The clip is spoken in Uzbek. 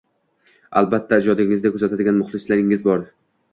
Albatta, ijodingizni kuzatadigan muxlislaringiz bor